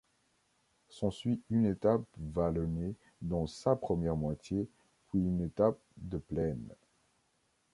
S'ensuit une étape vallonnée dans sa première moitié, puis une étape de plaine.